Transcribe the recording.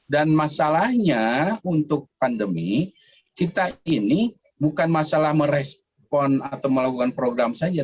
dan masalahnya untuk pandemi kita ini bukan masalah merespon atau melakukan program saja